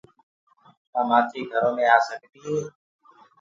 ڪآ مآکي گھرو مي آ سڪدي هي۔